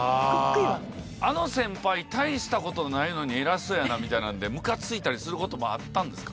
あの先輩大したことないのに偉そうやなみたいなのでムカついたりすることもあったんですか？